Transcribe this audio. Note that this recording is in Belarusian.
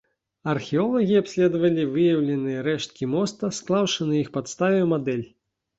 Археолагі абследавалі выяўленыя рэшткі моста, склаўшы на іх падставе мадэль.